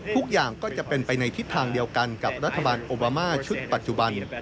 ทุกอย่างก็จะเป็นไปในทิศทางเดียวกันกับรัฐบาลโอบามาชุดปัจจุบัน